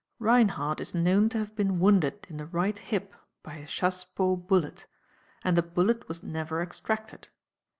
Reinhardt is known to have been wounded in the right hip by a chassepot bullet, and the bullet was never extracted.